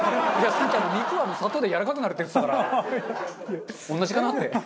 さっき肉は砂糖でやわらかくなるって言ってたから同じかなって。